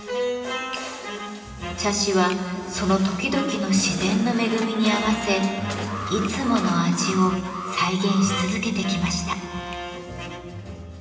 茶師はその時々の自然の恵みに合わせいつもの味を再現し続けてきました。